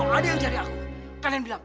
kalian jangan berisik